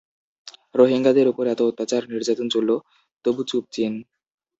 রোহিঙ্গাদের ওপর এত অত্যাচার, নির্যাতন চলল, তবু চুপ চীন।